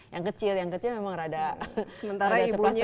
yang kecil yang kecil emang rada ceplas ceplas juga